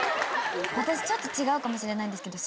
私ちょっと違うかもしれないんですけど。